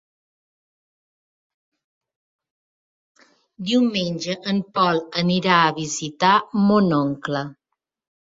Diumenge en Pol anirà a visitar mon oncle.